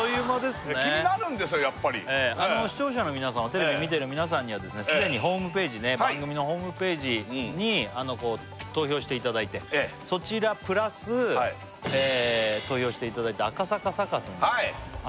やっぱね視聴者の皆さんテレビ見てる皆さんにはですね既にホームページね番組のホームページに投票していただいてそちらプラス投票していただいて赤坂サカスにですね